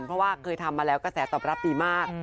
เพราะว่าเคยทำมาแล้วกระแสตอบรับดีมาก